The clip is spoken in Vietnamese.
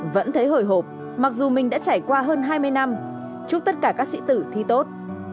vẫn thấy hồi hộp mặc dù mình đã trải qua hơn hai mươi năm chúc tất cả các sĩ tử thi tốt